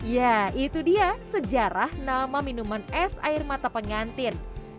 ya itu dia sejarah nama minuman es air mata pengantin